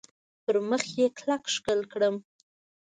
پر مخ یې کلک ښکل کړم .